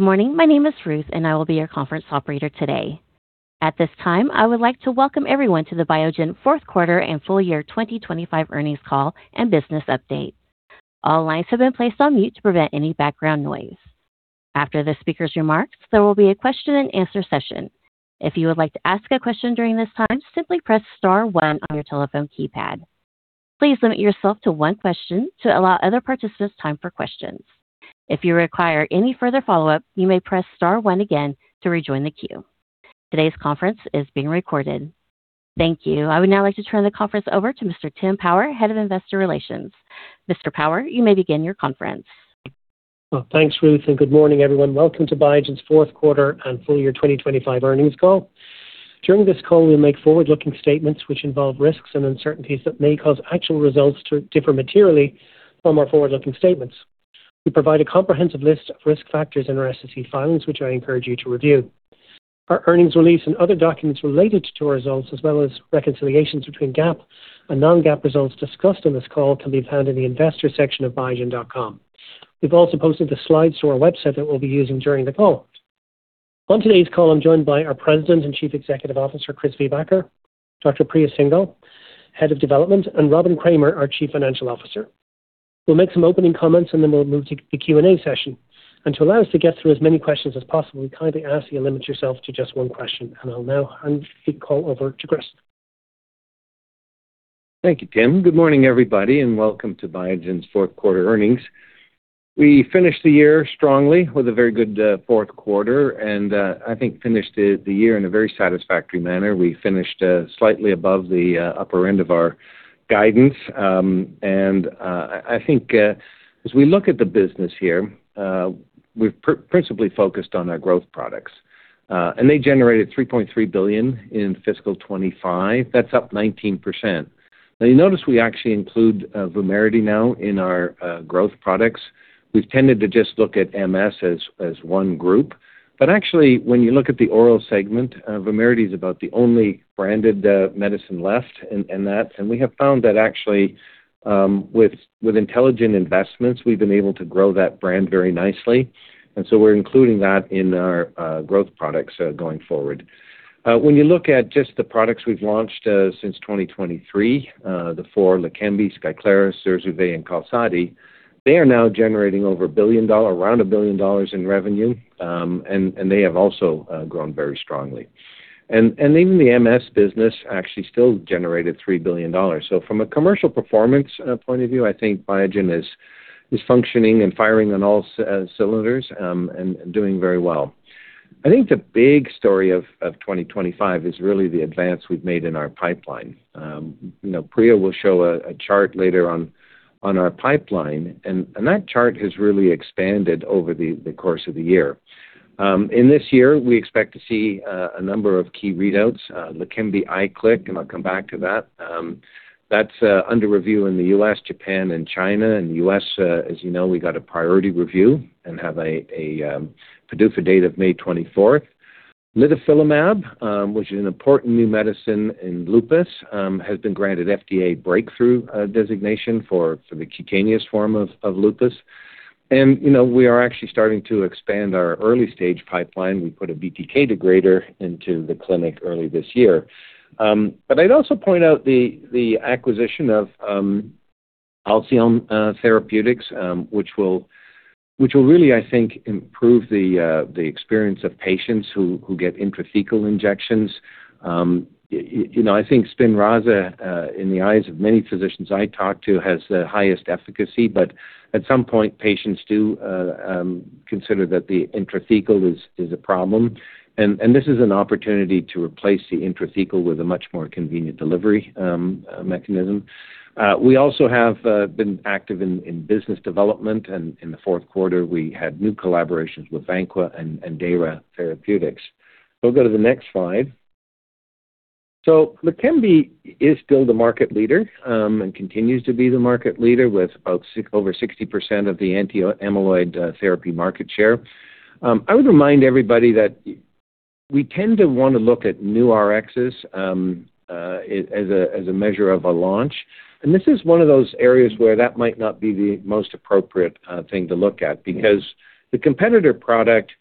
Good morning, my name is Ruth and I will be your conference operator today. At this time, I would like to welcome everyone to the Biogen fourth quarter and full year 2025 earnings call and business update. All lines have been placed on mute to prevent any background noise. After the speaker's remarks, there will be a question-and-answer session. If you would like to ask a question during this time, simply press star one on your telephone keypad. Please limit yourself to one question to allow other participants time for questions. If you require any further follow-up, you may press star one again to rejoin the queue. Today's conference is being recorded. Thank you. I would now like to turn the conference over to Mr. Tim Power, Head of Investor Relations. Mr. Power, you may begin your conference. Well, thanks, Ruth, and good morning, everyone. Welcome to Biogen's fourth quarter and full year 2025 earnings call. During this call, we'll make forward-looking statements which involve risks and uncertainties that may cause actual results to differ materially from our forward-looking statements. We provide a comprehensive list of risk factors in our SEC filings which I encourage you to review. Our earnings release and other documents related to our results, as well as reconciliations between GAAP and non-GAAP results discussed on this call, can be found in the Investor section of biogen.com. We've also posted the slides to our website that we'll be using during the call. On today's call, I'm joined by our President and Chief Executive Officer, Chris Viehbacher; Dr. Priya Singhal, Head of Development; and Robin Kramer, our Chief Financial Officer. We'll make some opening comments and then we'll move to the Q&A session. To allow us to get through as many questions as possible, we kindly ask that you limit yourself to just one question, and I'll now hand the call over to Chris. Thank you, Tim. Good morning, everybody, and welcome to Biogen's fourth quarter earnings. We finished the year strongly with a very good fourth quarter, and I think finished the year in a very satisfactory manner. We finished slightly above the upper end of our guidance. I think as we look at the business here, we've principally focused on our growth products, and they generated $3.3 billion in fiscal 2025. That's up 19%. Now, you notice we actually include Vumerity now in our growth products. We've tended to just look at MS as one group. Actually, when you look at the oral segment, Vumerity is about the only branded medicine left in that. We have found that actually with intelligent investments, we've been able to grow that brand very nicely. So we're including that in our growth products going forward. When you look at just the products we've launched since 2023, the four, Leqembi, Skyclarys, Zurzuvae, and Qalsody, they are now generating around $1 billion in revenue, and they have also grown very strongly. And even the MS business actually still generated $3 billion. So from a commercial performance point of view, I think Biogen is functioning and firing on all cylinders and doing very well. I think the big story of 2025 is really the advance we've made in our pipeline. Priya will show a chart later on our pipeline, and that chart has really expanded over the course of the year. In this year, we expect to see a number of key readouts. Leqembi, Iqlik, and I'll come back to that. That's under review in the U.S., Japan, and China. In the U.S., as you know, we got a priority review and have a PDUFA date of May 24th. litifilimab, which is an important new medicine in lupus, has been granted FDA breakthrough designation for the cutaneous form of lupus. We are actually starting to expand our early-stage pipeline. We put a BTK degrader into the clinic early this year. But I'd also point out the acquisition of Alcyone Therapeutics, which will really, I think, improve the experience of patients who get intrathecal injections. I think Spinraza, in the eyes of many physicians I talk to, has the highest efficacy, but at some point, patients do consider that the intrathecal is a problem. And this is an opportunity to replace the intrathecal with a much more convenient delivery mechanism. We also have been active in business development, and in the fourth quarter, we had new collaborations with Vanqua and Dayra Therapeutics. If we'll go to the next slide. So Leqembi is still the market leader and continues to be the market leader with over 60% of the anti-amyloid therapy market share. I would remind everybody that we tend to want to look at new Rxs as a measure of a launch. And this is one of those areas where that might not be the most appropriate thing to look at because the competitor product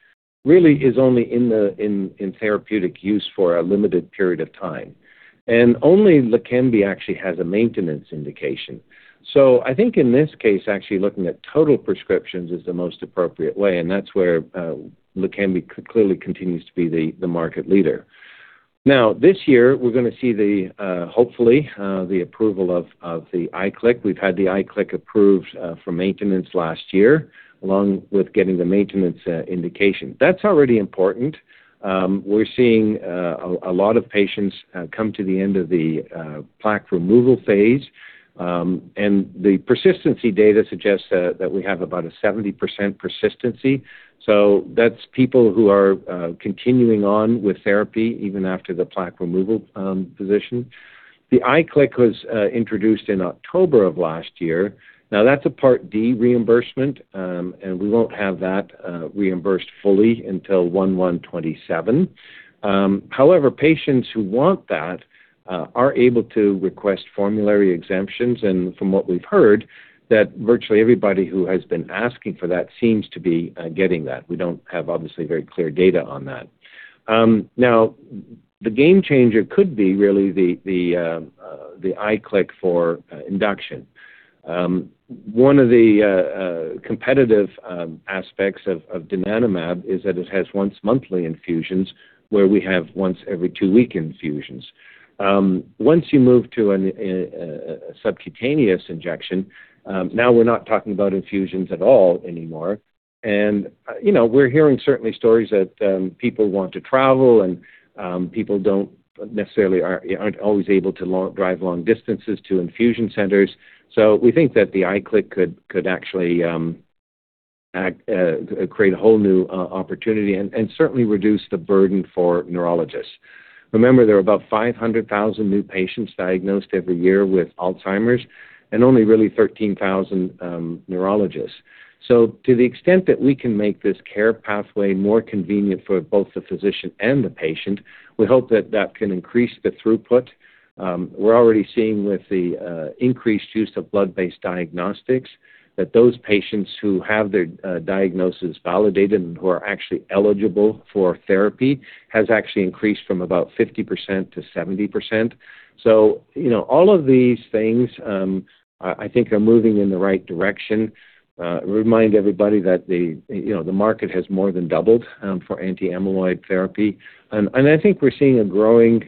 really is only in therapeutic use for a limited period of time. And only Leqembi actually has a maintenance indication. So I think in this case, actually looking at total prescriptions is the most appropriate way, and that's where Leqembi clearly continues to be the market leader. Now, this year, we're going to see, hopefully, the approval of the Iqlik. We've had the Iqlik approved for maintenance last year along with getting the maintenance indication. That's already important. We're seeing a lot of patients come to the end of the plaque removal phase, and the persistency data suggests that we have about a 70% persistency. So that's people who are continuing on with therapy even after the plaque removal position. The Iqlik was introduced in October of last year. Now, that's a Part D reimbursement, and we won't have that reimbursed fully until 01/01/27. However, patients who want that are able to request formulary exemptions, and from what we've heard, that virtually everybody who has been asking for that seems to be getting that. We don't have, obviously, very clear data on that. Now, the game changer could be really the Iqlik for induction. One of the competitive aspects of donanemab is that it has once-monthly infusions where we have once every two-week infusions. Once you move to a subcutaneous injection, now we're not talking about infusions at all anymore. And we're hearing certainly stories that people want to travel, and people aren't always able to drive long distances to infusion centers. So we think that the Iqlik could actually create a whole new opportunity and certainly reduce the burden for neurologists. Remember, there are about 500,000 new patients diagnosed every year with Alzheimer's and only really 13,000 neurologists. So to the extent that we can make this care pathway more convenient for both the physician and the patient, we hope that that can increase the throughput. We're already seeing with the increased use of blood-based diagnostics that those patients who have their diagnosis validated and who are actually eligible for therapy have actually increased from about 50%-70%. So all of these things, I think, are moving in the right direction. I remind everybody that the market has more than doubled for anti-amyloid therapy. And I think we're seeing a growing.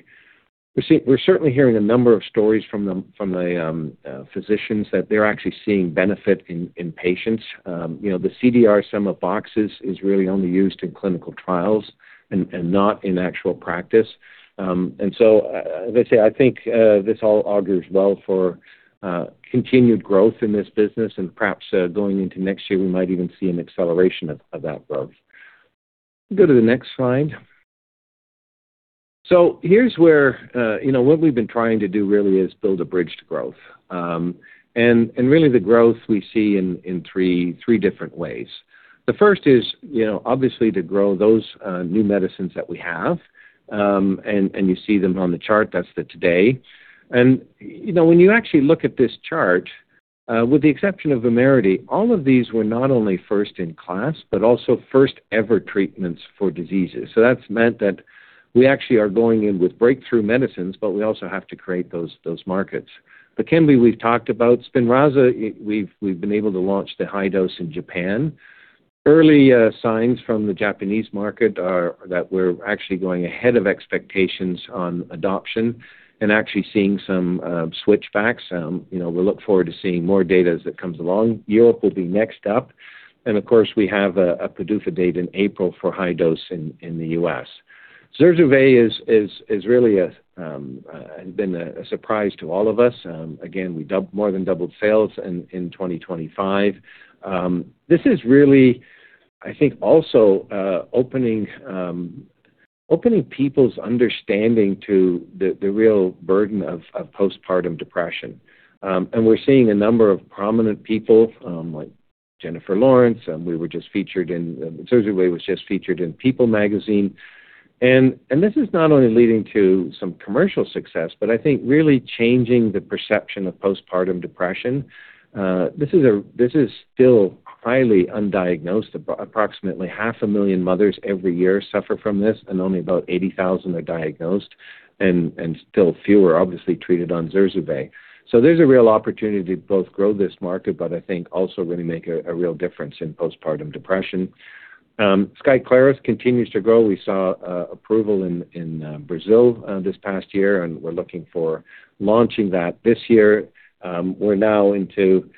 We're certainly hearing a number of stories from the physicians that they're actually seeing benefit in patients. The CDR sum of boxes is really only used in clinical trials and not in actual practice. And so, as I say, I think this all augurs well for continued growth in this business, and perhaps going into next year, we might even see an acceleration of that growth. Go to the next slide. So here's where what we've been trying to do really is build a bridge to growth. Really, the growth we see in three different ways. The first is, obviously, to grow those new medicines that we have. And you see them on the chart. That's the today. And when you actually look at this chart, with the exception of Vumerity, all of these were not only first-in-class but also first-ever treatments for diseases. So that's meant that we actually are going in with breakthrough medicines, but we also have to create those markets. Leqembi, we've talked about. Spinraza, we've been able to launch the high dose in Japan. Early signs from the Japanese market are that we're actually going ahead of expectations on adoption and actually seeing some switchbacks. We look forward to seeing more data as it comes along. Europe will be next up. And of course, we have a PDUFA date in April for high dose in the U.S. Zurzuvae has really been a surprise to all of us. Again, we more than doubled sales in 2025. This is really, I think, also opening people's understanding to the real burden of postpartum depression. And we're seeing a number of prominent people like Jennifer Lawrence. Zurzuvae was just featured in People magazine. And this is not only leading to some commercial success, but I think really changing the perception of postpartum depression. This is still highly undiagnosed. Approximately 500,000 mothers every year suffer from this, and only about 80,000 are diagnosed, and still fewer, obviously, treated on Zurzuvae. So there's a real opportunity to both grow this market, but I think also really make a real difference in postpartum depression. Skyclarys continues to grow. We saw approval in Brazil this past year, and we're looking for launching that this year. We're now into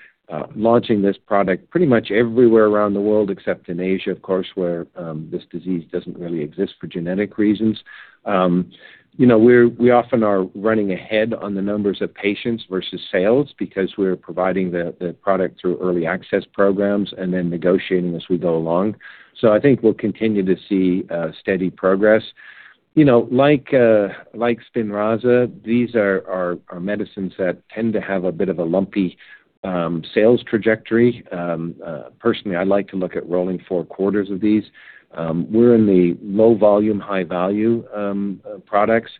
launching this product pretty much everywhere around the world except in Asia, of course, where this disease doesn't really exist for genetic reasons. We often are running ahead on the numbers of patients versus sales because we're providing the product through early access programs and then negotiating as we go along. So I think we'll continue to see steady progress. Like Spinraza, these are medicines that tend to have a bit of a lumpy sales trajectory. Personally, I like to look at rolling four quarters of these. We're in the low volume, high value products.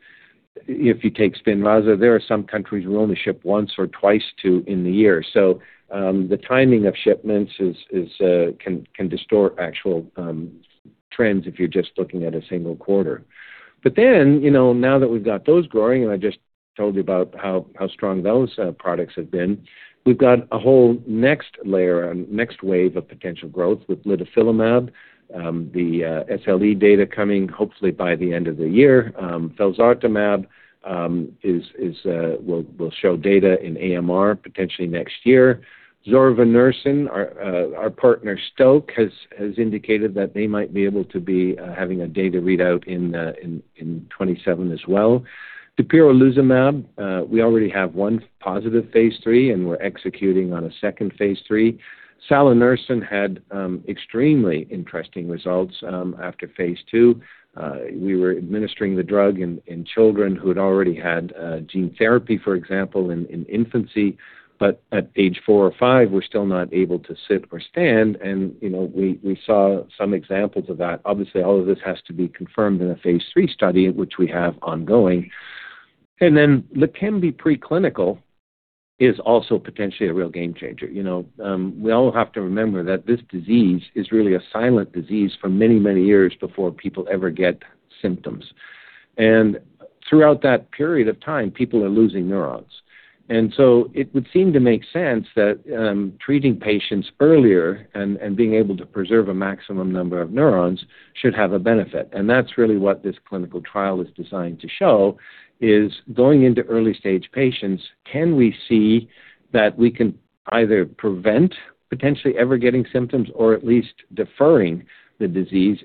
If you take Spinraza, there are some countries where we only ship once or twice in the year. So the timing of shipments can distort actual trends if you're just looking at a single quarter. But then now that we've got those growing and I just told you about how strong those products have been, we've got a whole next layer and next wave of potential growth with litifilimab, the SLE data coming, hopefully, by the end of the year. Felzartamab will show data in AMR potentially next year. Zorevunersen, our partner, Stoke, has indicated that they might be able to be having a data readout in 2027 as well. Dapirolizumab pegol, we already have one positive phase III, and we're executing on a second phase III. Nusinersen had extremely interesting results after phase II. We were administering the drug in children who had already had gene therapy, for example, in infancy, but at age four or five, we're still not able to sit or stand. And we saw some examples of that. Obviously, all of this has to be confirmed in a phase III study, which we have ongoing. Then Leqembi preclinical is also potentially a real game changer. We all have to remember that this disease is really a silent disease for many, many years before people ever get symptoms. And throughout that period of time, people are losing neurons. And so it would seem to make sense that treating patients earlier and being able to preserve a maximum number of neurons should have a benefit. And that's really what this clinical trial is designed to show, is going into early-stage patients, can we see that we can either prevent potentially ever getting symptoms or at least deferring the disease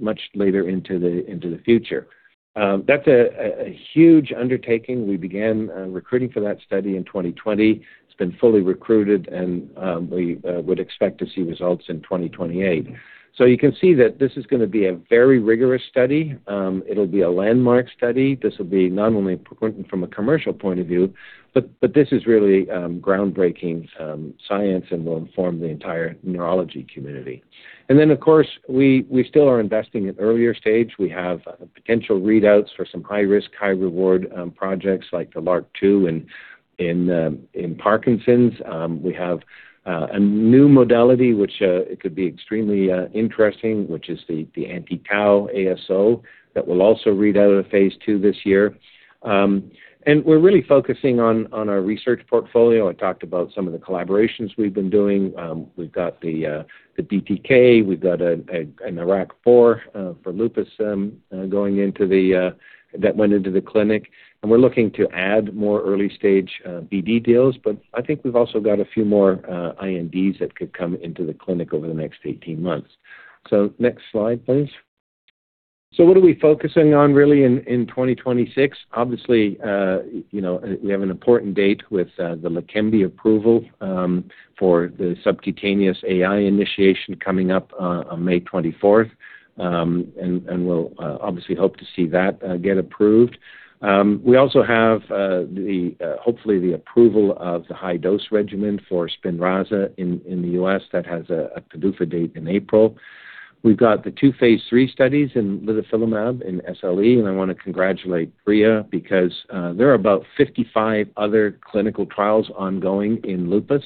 much later into the future? That's a huge undertaking. We began recruiting for that study in 2020. It's been fully recruited, and we would expect to see results in 2028. So you can see that this is going to be a very rigorous study. It'll be a landmark study. This will be not only important from a commercial point of view, but this is really groundbreaking science and will inform the entire neurology community. And then, of course, we still are investing in earlier stage. We have potential readouts for some high-risk, high-reward projects like the LRRK2 in Parkinson's. We have a new modality, which could be extremely interesting, which is the anti-tau ASO that will also read out a phase II this year. And we're really focusing on our research portfolio. I talked about some of the collaborations we've been doing. We've got the BTK. We've got an IRAK4 for lupus going into the clinic. We're looking to add more early-stage BD deals, but I think we've also got a few more INDs that could come into the clinic over the next 18 months. So next slide, please. So what are we focusing on really in 2026? Obviously, we have an important date with the Leqembi approval for the subcutaneous AI initiation coming up on May 24th, and we'll obviously hope to see that get approved. We also have, hopefully, the approval of the high-dose regimen for Spinraza in the U.S. that has a PDUFA date in April. We've got the two phase III studies in litifilimab and SLE, and I want to congratulate Priya because there are about 55 other clinical trials ongoing in lupus.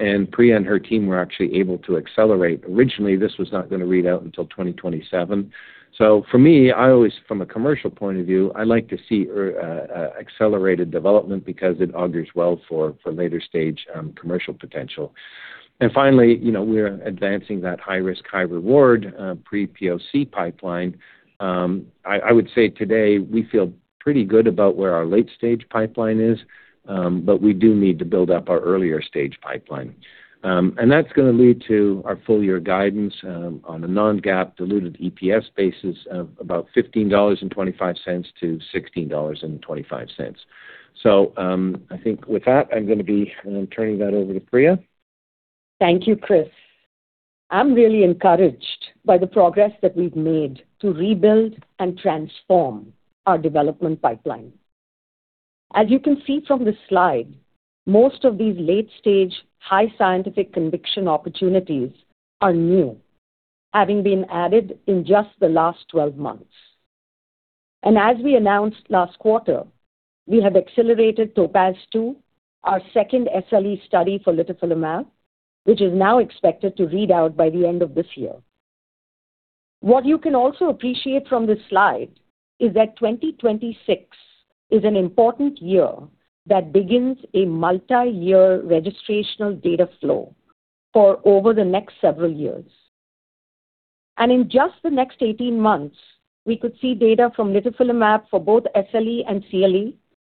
And Priya and her team were actually able to accelerate. Originally, this was not going to read out until 2027. So for me, from a commercial point of view, I like to see accelerated development because it augurs well for later-stage commercial potential. And finally, we're advancing that high-risk, high-reward pre-POC pipeline. I would say today, we feel pretty good about where our late-stage pipeline is, but we do need to build up our earlier-stage pipeline. And that's going to lead to our full-year guidance on a non-GAAP diluted EPS basis of about $15.25-$16.25. So I think with that, I'm going to be turning that over to Priya. Thank you, Chris. I'm really encouraged by the progress that we've made to rebuild and transform our development pipeline. As you can see from the slide, most of these late-stage, high-scientific conviction opportunities are new, having been added in just the last 12 months. As we announced last quarter, we have accelerated TOPAZ-2, our second SLE study for litifilimab, which is now expected to read out by the end of this year. What you can also appreciate from this slide is that 2026 is an important year that begins a multi-year registrational data flow for over the next several years. In just the next 18 months, we could see data from litifilimab for both SLE and CLE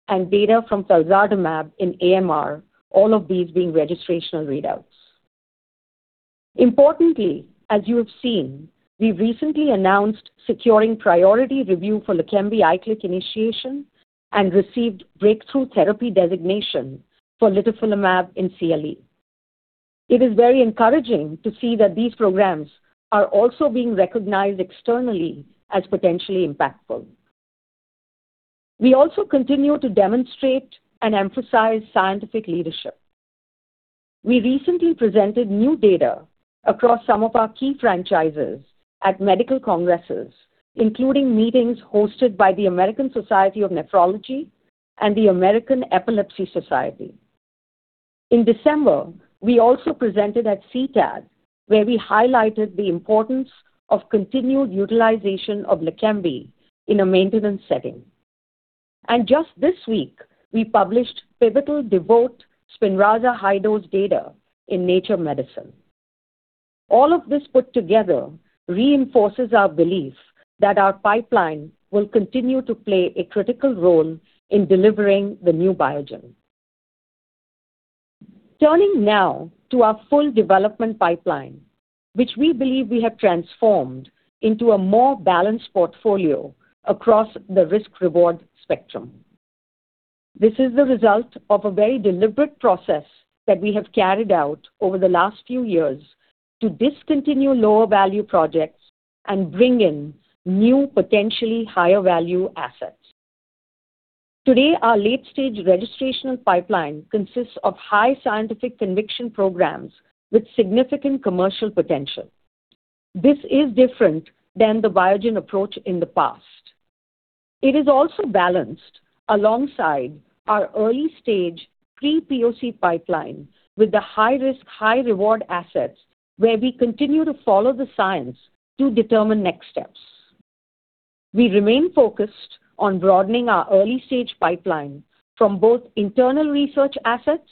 and data from felzartamab in AMR, all of these being registrational readouts. Importantly, as you have seen, we've recently announced securing priority review for Leqembi Iqlik initiation and received breakthrough therapy designation for litifilimab in CLE. It is very encouraging to see that these programs are also being recognized externally as potentially impactful. We also continue to demonstrate and emphasize scientific leadership. We recently presented new data across some of our key franchises at medical congresses, including meetings hosted by the American Society of Nephrology and the American Epilepsy Society. In December, we also presented at CTAD, where we highlighted the importance of continued utilization of Leqembi in a maintenance setting. And just this week, we published pivotal Spinraza high-dose data in Nature Medicine. All of this put together reinforces our belief that our pipeline will continue to play a critical role in delivering the new Biogen. Turning now to our full development pipeline, which we believe we have transformed into a more balanced portfolio across the risk-reward spectrum. This is the result of a very deliberate process that we have carried out over the last few years to discontinue lower-value projects and bring in new, potentially higher-value assets. Today, our late-stage registrational pipeline consists of high-scientific conviction programs with significant commercial potential. This is different than the Biogen approach in the past. It is also balanced alongside our early-stage pre-POC pipeline with the high-risk, high-reward assets, where we continue to follow the science to determine next steps. We remain focused on broadening our early-stage pipeline from both internal research assets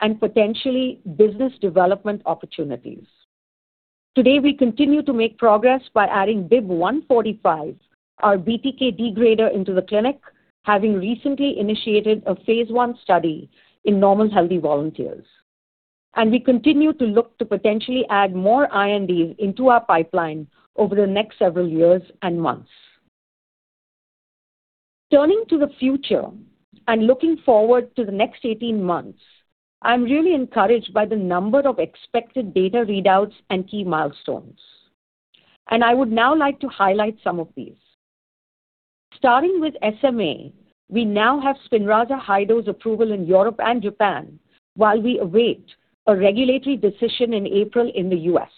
and potentially business development opportunities. Today, we continue to make progress by adding BIIB145, our BTK degrader, into the clinic, having recently initiated a phase I study in normal healthy volunteers. We continue to look to potentially add more INDs into our pipeline over the next several years and months. Turning to the future and looking forward to the next 18 months, I'm really encouraged by the number of expected data readouts and key milestones. I would now like to highlight some of these. Starting with SMA, we now have Spinraza high-dose approval in Europe and Japan while we await a regulatory decision in April in the U.S.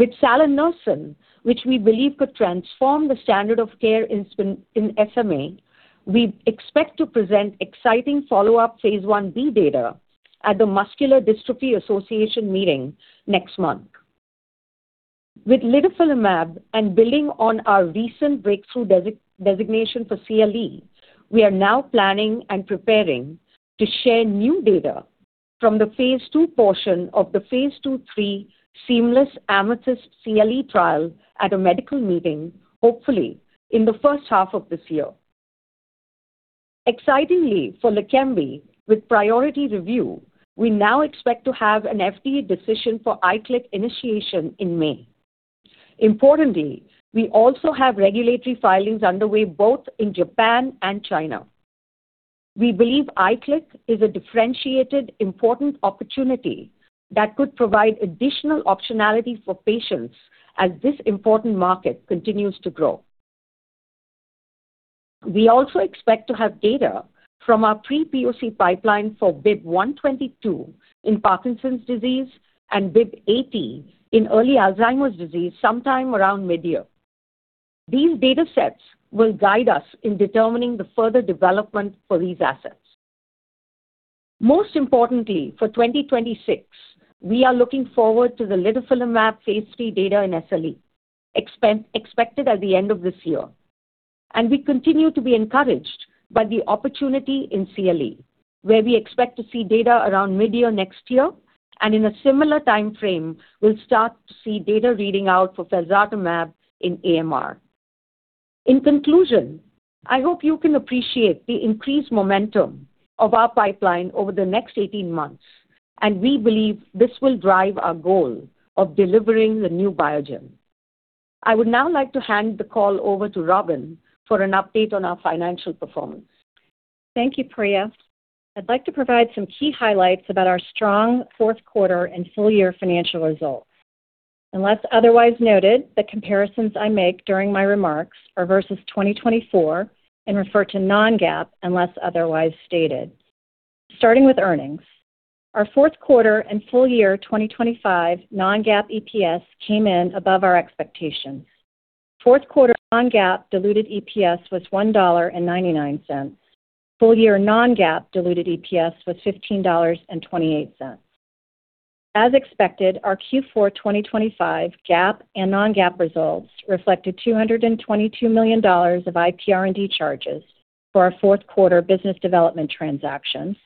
With Nusinersen, which we believe could transform the standard of care in SMA, we expect to present exciting follow-up phase I-B data at the Muscular Dystrophy Association meeting next month. With litifilimab and building on our recent breakthrough designation for CLE, we are now planning and preparing to share new data from the phase II portion of the phase II/III seamless Amethyst CLE trial at a medical meeting, hopefully, in the first half of this year. Excitingly, for Leqembi, with priority review, we now expect to have an FDA decision for Iqlik initiation in May. Importantly, we also have regulatory filings underway both in Japan and China. We believe Iqlik is a differentiated, important opportunity that could provide additional optionality for patients as this important market continues to grow. We also expect to have data from our pre-POC pipeline for BIIB122 in Parkinson's disease and BIIB080 in early Alzheimer's disease sometime around mid-year. These data sets will guide us in determining the further development for these assets. Most importantly, for 2026, we are looking forward to the litifilimab phase III data in SLE expected at the end of this year. We continue to be encouraged by the opportunity in CLE, where we expect to see data around mid-year next year, and in a similar time frame, we'll start to see data reading out for felzartamab in AMR. In conclusion, I hope you can appreciate the increased momentum of our pipeline over the next 18 months, and we believe this will drive our goal of delivering the new Biogen. I would now like to hand the call over to Robin for an update on our financial performance. Thank you, Priya. I'd like to provide some key highlights about our strong fourth quarter and full-year financial results. Unless otherwise noted, the comparisons I make during my remarks are versus 2024 and refer to non-GAAP unless otherwise stated. Starting with earnings, our fourth quarter and full-year 2025 non-GAAP EPS came in above our expectations. Fourth quarter non-GAAP diluted EPS was $1.99. Full-year non-GAAP diluted EPS was $15.28. As expected, our Q4 2025 GAAP and non-GAAP results reflected $222 million of IPR&D charges for our fourth quarter business development transactions,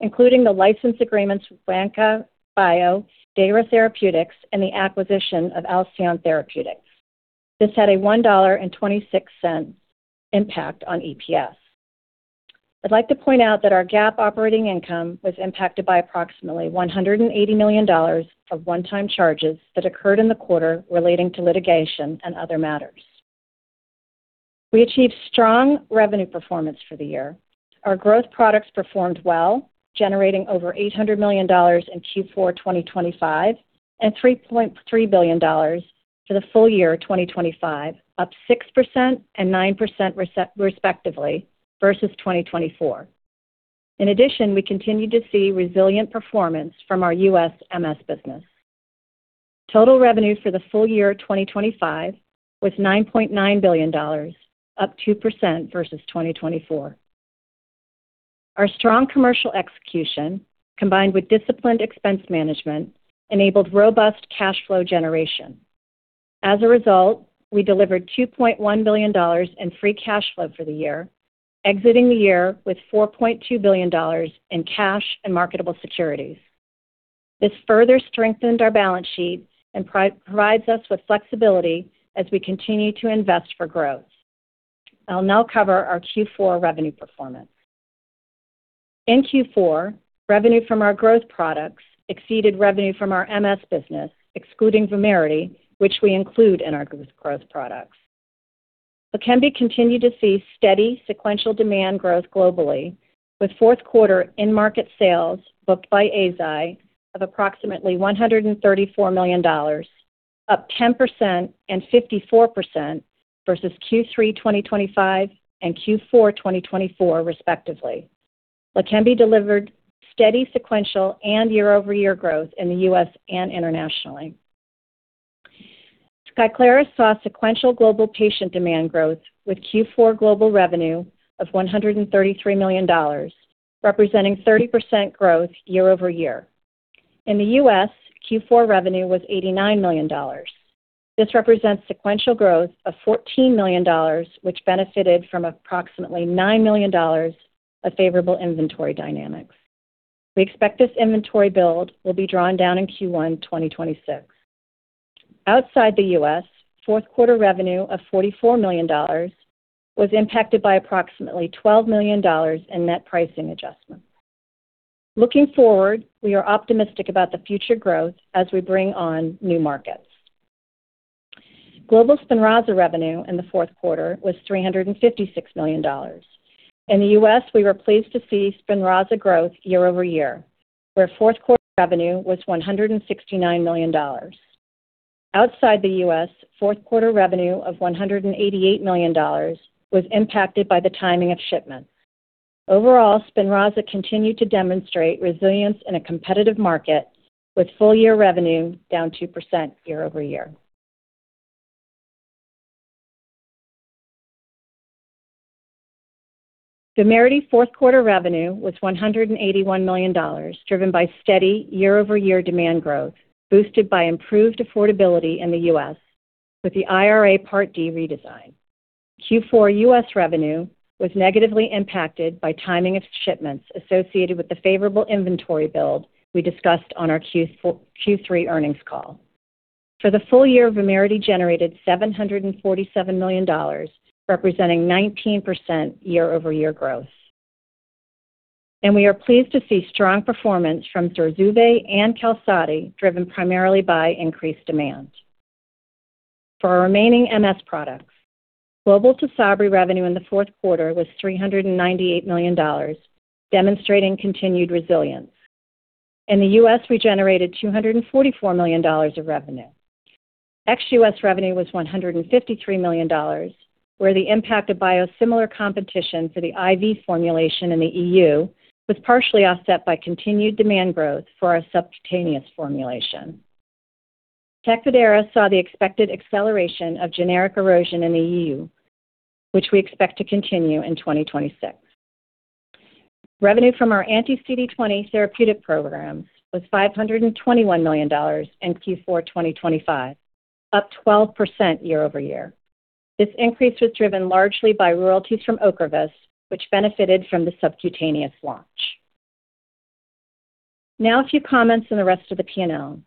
including the license agreements with Vanqua Bio, Dayra Therapeutics, and the acquisition of Alcyone Therapeutics. This had a $1.26 impact on EPS. I'd like to point out that our GAAP operating income was impacted by approximately $180 million of one-time charges that occurred in the quarter relating to litigation and other matters. We achieved strong revenue performance for the year. Our growth products performed well, generating over $800 million in Q4 2025 and $3.3 billion for the full year 2025, up 6% and 9% respectively versus 2024. In addition, we continued to see resilient performance from our U.S. MS business. Total revenue for the full year 2025 was $9.9 billion, up 2% versus 2024. Our strong commercial execution, combined with disciplined expense management, enabled robust cash flow generation. As a result, we delivered $2.1 billion in free cash flow for the year, exiting the year with $4.2 billion in cash and marketable securities. This further strengthened our balance sheet and provides us with flexibility as we continue to invest for growth. I'll now cover our Q4 revenue performance. In Q4, revenue from our growth products exceeded revenue from our MS business, excluding Vumerity, which we include in our growth products. Leqembi continued to see steady sequential demand growth globally, with fourth quarter in-market sales booked by Eisai of approximately $134 million, up 10% and 54% versus Q3 2025 and Q4 2024 respectively. Leqembi delivered steady sequential and year-over-year growth in the U.S. and internationally. Skyclarys saw sequential global patient demand growth with Q4 global revenue of $133 million, representing 30% growth year-over-year. In the U.S., Q4 revenue was $89 million. This represents sequential growth of $14 million, which benefited from approximately $9 million of favorable inventory dynamics. We expect this inventory build will be drawn down in Q1 2026. Outside the U.S., fourth quarter revenue of $44 million was impacted by approximately $12 million in net pricing adjustments. Looking forward, we are optimistic about the future growth as we bring on new markets. Global Spinraza revenue in the fourth quarter was $356 million. In the U.S., we were pleased to see Spinraza growth year-over-year, where fourth quarter revenue was $169 million. Outside the U.S., fourth quarter revenue of $188 million was impacted by the timing of shipments. Overall, Spinraza continued to demonstrate resilience in a competitive market, with full-year revenue down 2% year-over-year. Vumerity fourth quarter revenue was $181 million, driven by steady year-over-year demand growth boosted by improved affordability in the U.S. with the IRA Part D redesign. Q4 U.S. revenue was negatively impacted by timing of shipments associated with the favorable inventory build we discussed on our Q3 earnings call. For the full year, Vumerity generated $747 million, representing 19% year-over-year growth. We are pleased to see strong performance from Zurzuvae and Qalsody, driven primarily by increased demand. For our remaining MS products, global Tysabri revenue in the fourth quarter was $398 million, demonstrating continued resilience. In the U.S., we generated $244 million of revenue. Ex-U.S. revenue was $153 million, where the impact of biosimilar competition for the IV formulation in the EU was partially offset by continued demand growth for our subcutaneous formulation. Tecfidera saw the expected acceleration of generic erosion in the EU, which we expect to continue in 2026. Revenue from our anti-CD20 therapeutic programs was $521 million in Q4 2025, up 12% year-over-year. This increase was driven largely by royalties from Ocrevus, which benefited from the subcutaneous launch. Now, a few comments on the rest of the P&L.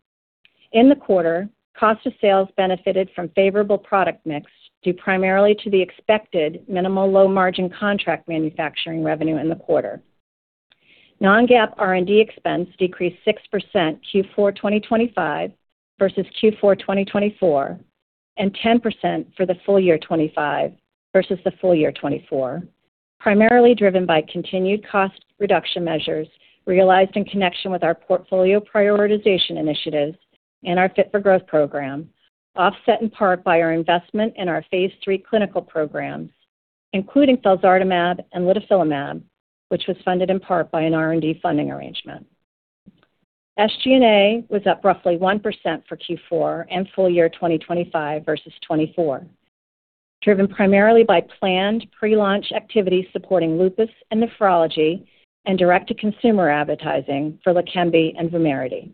In the quarter, cost of sales benefited from favorable product mix due primarily to the expected minimal low-margin contract manufacturing revenue in the quarter. Non-GAAP R&D expense decreased 6% Q4 2025 versus Q4 2024 and 10% for the full year 2025 versus the full year 2024, primarily driven by continued cost reduction measures realized in connection with our portfolio prioritization initiatives and our Fit for Growth program, offset in part by our investment in our phase III clinical programs, including felzartamab and litifilimab, which was funded in part by an R&D funding arrangement. SG&A was up roughly 1% for Q4 and full year 2025 versus 2024, driven primarily by planned pre-launch activities supporting lupus and nephrology and direct-to-consumer advertising for Leqembi and Vumerity.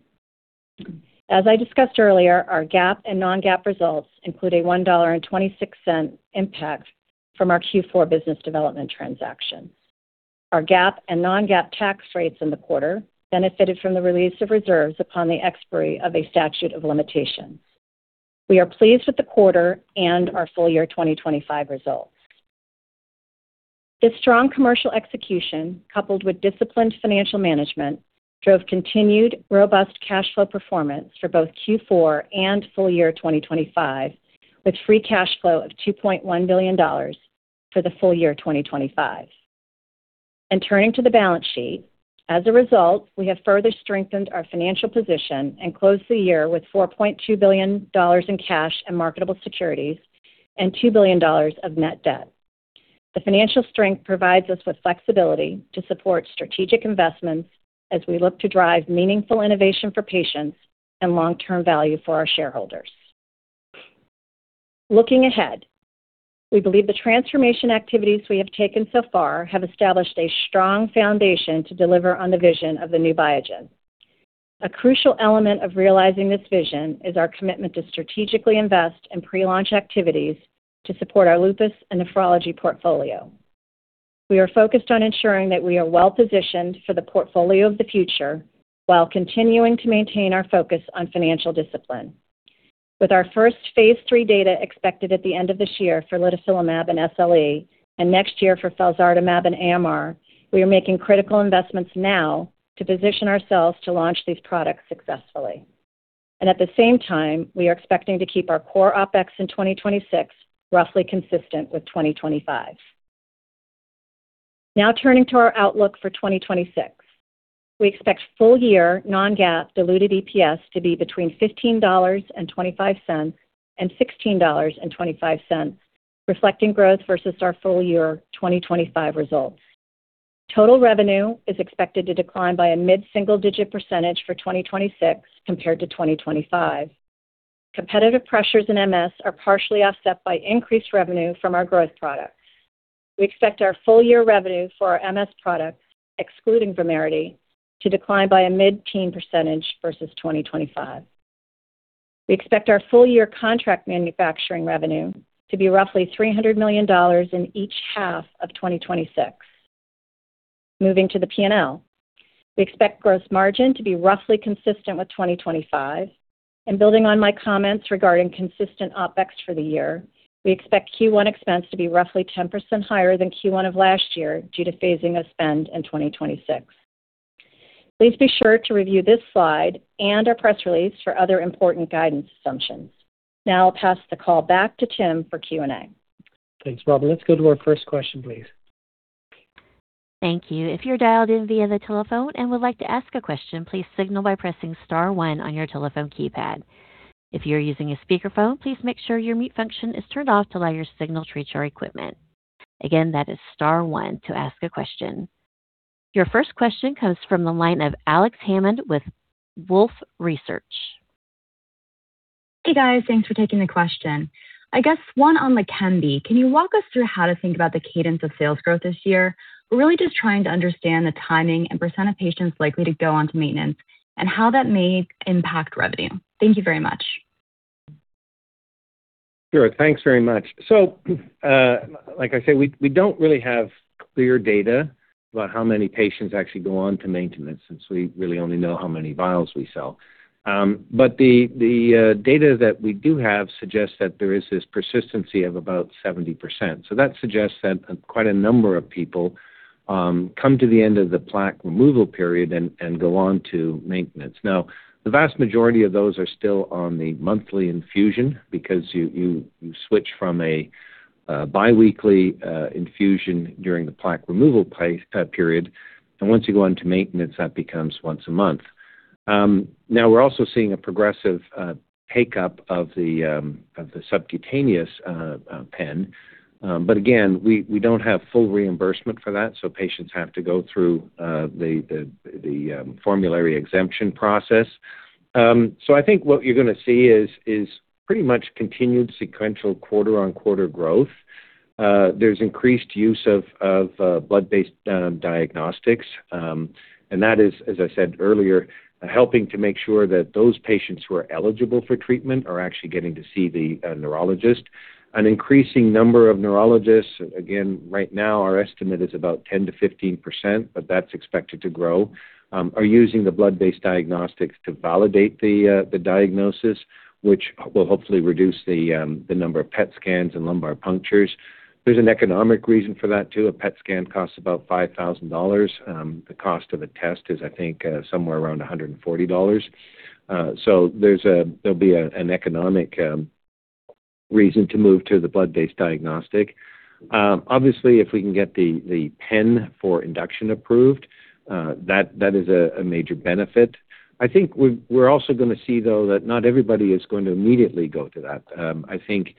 As I discussed earlier, our GAAP and non-GAAP results include a $1.26 impact from our Q4 business development transactions. Our GAAP and non-GAAP tax rates in the quarter benefited from the release of reserves upon the expiry of a statute of limitations. We are pleased with the quarter and our full year 2025 results. This strong commercial execution, coupled with disciplined financial management, drove continued robust cash flow performance for both Q4 and full year 2025, with free cash flow of $2.1 billion for the full year 2025. Turning to the balance sheet, as a result, we have further strengthened our financial position and closed the year with $4.2 billion in cash and marketable securities and $2 billion of net debt. The financial strength provides us with flexibility to support strategic investments as we look to drive meaningful innovation for patients and long-term value for our shareholders. Looking ahead, we believe the transformation activities we have taken so far have established a strong foundation to deliver on the vision of the new Biogen. A crucial element of realizing this vision is our commitment to strategically invest in pre-launch activities to support our lupus and nephrology portfolio. We are focused on ensuring that we are well-positioned for the portfolio of the future while continuing to maintain our focus on financial discipline. With our first phase III data expected at the end of this year for litifilimab and SLE and next year for felzartamab and AMR, we are making critical investments now to position ourselves to launch these products successfully. And at the same time, we are expecting to keep our core OpEx in 2026 roughly consistent with 2025. Now, turning to our outlook for 2026, we expect full-year non-GAAP diluted EPS to be between $15.25 and $16.25, reflecting growth versus our full year 2025 results. Total revenue is expected to decline by a mid-single-digit % for 2026 compared to 2025. Competitive pressures in MS are partially offset by increased revenue from our growth products. We expect our full-year revenue for our MS products, excluding Vumerity, to decline by a mid-teens percentage versus 2025. We expect our full-year contract manufacturing revenue to be roughly $300 million in each half of 2026. Moving to the P&L, we expect gross margin to be roughly consistent with 2025. Building on my comments regarding consistent OpEx for the year, we expect Q1 expense to be roughly 10% higher than Q1 of last year due to phasing of spend in 2026. Please be sure to review this slide and our press release for other important guidance assumptions. Now, I'll pass the call back to Tim for Q&A. Thanks, Robin. Let's go to our first question, please. Thank you. If you're dialed in via the telephone and would like to ask a question, please signal by pressing star one on your telephone keypad. If you're using a speakerphone, please make sure your mute function is turned off to allow your signal to reach your equipment. Again, that is star one to ask a question. Your first question comes from the line of Alex Hammond with Wolfe Research. Hey, guys. Thanks for taking the question. I guess one on Leqembi. Can you walk us through how to think about the cadence of sales growth this year? We're really just trying to understand the timing and percent of patients likely to go on to maintenance and how that may impact revenue. Thank you very much. Sure. Thanks very much. So like I say, we don't really have clear data about how many patients actually go on to maintenance since we really only know how many vials we sell. But the data that we do have suggests that there is this persistency of about 70%. So that suggests that quite a number of people come to the end of the plaque removal period and go on to maintenance. Now, the vast majority of those are still on the monthly infusion because you switch from a biweekly infusion during the plaque removal period. And once you go on to maintenance, that becomes once a month. Now, we're also seeing a progressive take-up of the subcutaneous pen. But again, we don't have full reimbursement for that, so patients have to go through the formulary exemption process. So I think what you're going to see is pretty much continued sequential quarter-on-quarter growth. There's increased use of blood-based diagnostics. And that is, as I said earlier, helping to make sure that those patients who are eligible for treatment are actually getting to see the neurologist. An increasing number of neurologists—again, right now, our estimate is about 10%-15%, but that's expected to grow—are using the blood-based diagnostics to validate the diagnosis, which will hopefully reduce the number of PET scans and lumbar punctures. There's an economic reason for that, too. A PET scan costs about $5,000. The cost of a test is, I think, somewhere around $140. So there'll be an economic reason to move to the blood-based diagnostic. Obviously, if we can get the pen for induction approved, that is a major benefit. I think we're also going to see, though, that not everybody is going to immediately go to that. I think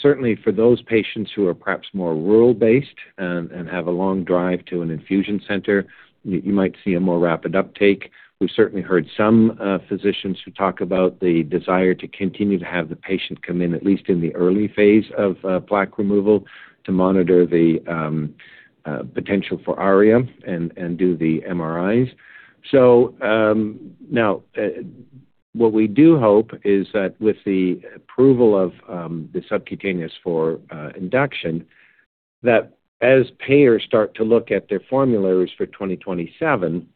certainly for those patients who are perhaps more rural-based and have a long drive to an infusion center, you might see a more rapid uptake. We've certainly heard some physicians who talk about the desire to continue to have the patient come in, at least in the early phase of plaque removal, to monitor the potential for ARIA and do the MRIs. So now, what we do hope is that with the approval of the subcutaneous for induction, that as payers start to look at their formularies for 2027,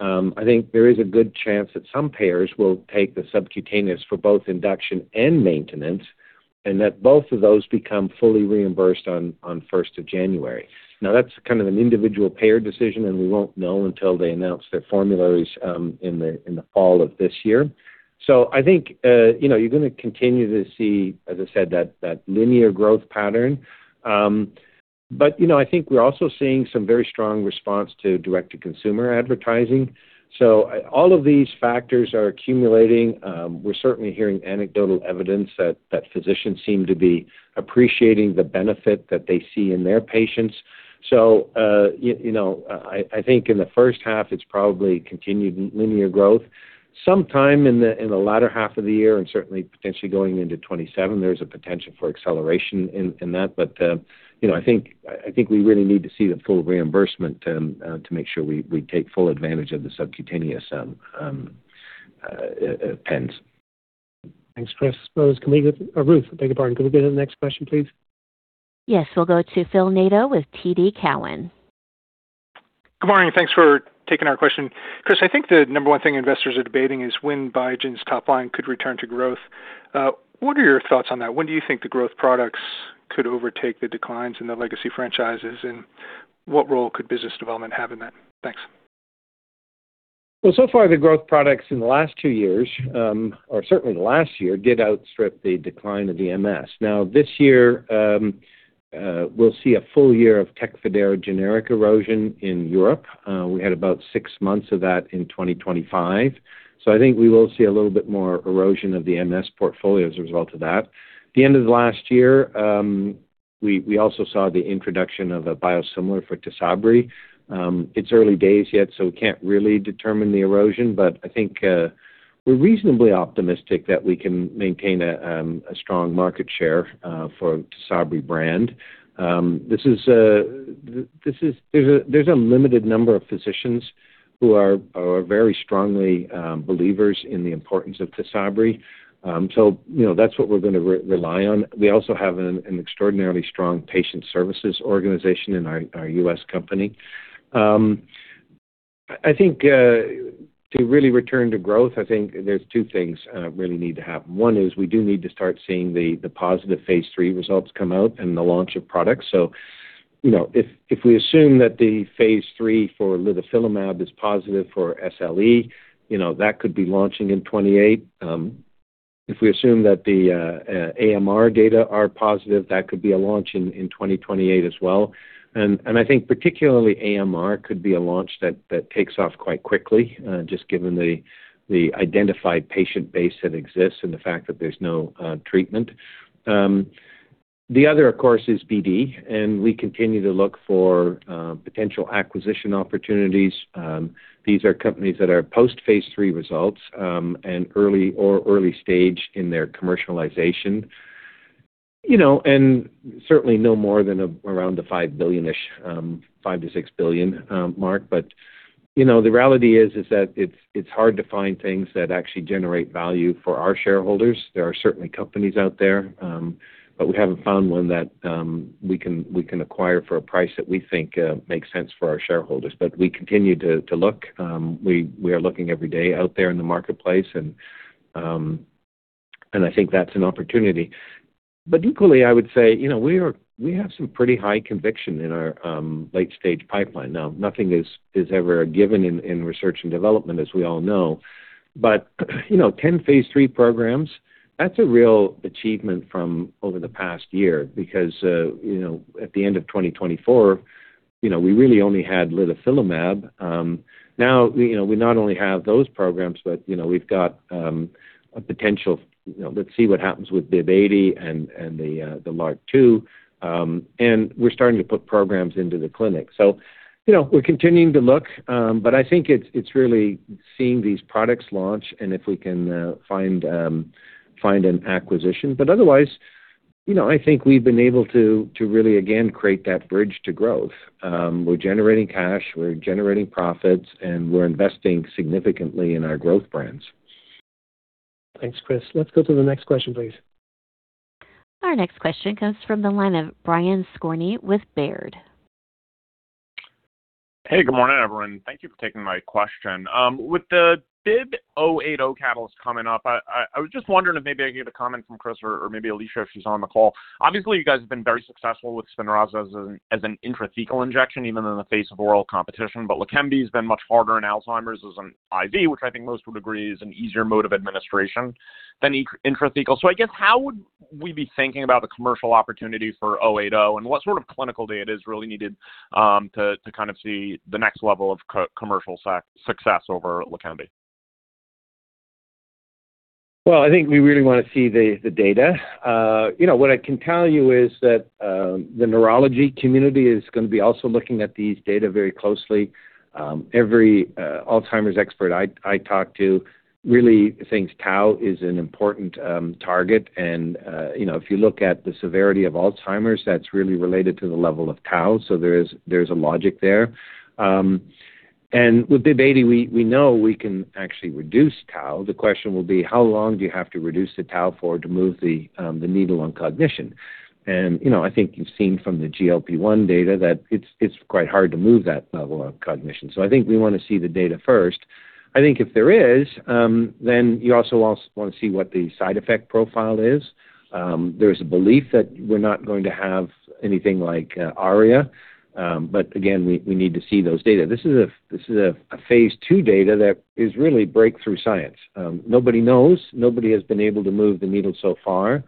I think there is a good chance that some payers will take the subcutaneous for both induction and maintenance and that both of those become fully reimbursed on 1st of January. Now, that's kind of an individual payer decision, and we won't know until they announce their formularies in the fall of this year. So I think you're going to continue to see, as I said, that linear growth pattern. But I think we're also seeing some very strong response to direct-to-consumer advertising. So all of these factors are accumulating. We're certainly hearing anecdotal evidence that physicians seem to be appreciating the benefit that they see in their patients. So I think in the first half, it's probably continued linear growth. Sometime in the latter half of the year and certainly potentially going into 2027, there's a potential for acceleration in that. But I think we really need to see the full reimbursement to make sure we take full advantage of the subcutaneous pens. Thanks, Chris. I suppose can we get a Ruth? Thank you, Hammond. Can we get to the next question, please? Yes. We'll go to Phil Nadeau with TD Cowen. Good morning. Thanks for taking our question. Chris, I think the number one thing investors are debating is when Biogen's top line could return to growth. What are your thoughts on that? When do you think the growth products could overtake the declines in the legacy franchises, and what role could business development have in that? Thanks. Well, so far, the growth products in the last two years or certainly last year did outstrip the decline of the MS. Now, this year, we'll see a full year of Tecfidera generic erosion in Europe. We had about six months of that in 2025. So I think we will see a little bit more erosion of the MS portfolio as a result of that. At the end of the last year, we also saw the introduction of a biosimilar for Tysabri. It's early days yet, so we can't really determine the erosion. But I think we're reasonably optimistic that we can maintain a strong market share for Tysabri brand. There's a limited number of physicians who are very strongly believers in the importance of Tysabri. So that's what we're going to rely on. We also have an extraordinarily strong patient services organization in our U.S. company. I think to really return to growth, I think there's two things that really need to happen. One is we do need to start seeing the positive phase III results come out and the launch of products. So if we assume that the phase III for litifilimab is positive for SLE, that could be launching in 2028. If we assume that the AMR data are positive, that could be a launch in 2028 as well. And I think particularly AMR could be a launch that takes off quite quickly, just given the identified patient base that exists and the fact that there's no treatment. The other, of course, is BD, and we continue to look for potential acquisition opportunities. These are companies that are post-phase III results and early or early stage in their commercialization. And certainly no more than around the $5 billion-ish, $5 billion-$6 billion mark. But the reality is that it's hard to find things that actually generate value for our shareholders. There are certainly companies out there, but we haven't found one that we can acquire for a price that we think makes sense for our shareholders. But we continue to look. We are looking every day out there in the marketplace, and I think that's an opportunity. But equally, I would say we have some pretty high conviction in our late-stage pipeline. Now, nothing is ever given in research and development, as we all know. But 10 phase III programs, that's a real achievement from over the past year because at the end of 2024, we really only had litifilimab. Now, we not only have those programs, but we've got a potential let's see what happens with BIIB080 and the LRRK2. And we're starting to put programs into the clinic. So we're continuing to look, but I think it's really seeing these products launch and if we can find an acquisition. But otherwise, I think we've been able to really, again, create that bridge to growth. We're generating cash. We're generating profits, and we're investing significantly in our growth brands. Thanks, Chris. Let's go to the next question, please. Our next question comes from the line of Brian Skorney with Baird. Hey, good morning, everyone. Thank you for taking my question. With the BIIB080 data coming up, I was just wondering if maybe I could get a comment from Chris or maybe Alisha, if she's on the call. Obviously, you guys have been very successful with Spinraza as an intrathecal injection, even in the face of oral competition. But Leqembi has been much harder in Alzheimer's as an IV, which I think most would agree is an easier mode of administration than intrathecal. So I guess how would we be thinking about the commercial opportunity for BIIB080, and what sort of clinical data is really needed to kind of see the next level of commercial success over Leqembi? Well, I think we really want to see the data. What I can tell you is that the neurology community is going to be also looking at these data very closely. Every Alzheimer's expert I talk to really thinks tau is an important target. And if you look at the severity of Alzheimer's, that's really related to the level of tau. So there's a logic there. And with BIIB080, we know we can actually reduce tau. The question will be, how long do you have to reduce the tau for to move the needle on cognition? And I think you've seen from the GLP-1 data that it's quite hard to move that level of cognition. So I think we want to see the data first. I think if there is, then you also want to see what the side effect profile is. There's a belief that we're not going to have anything like ARIA. But again, we need to see those data. This is a phase II data that is really breakthrough science. Nobody knows. Nobody has been able to move the needle so far.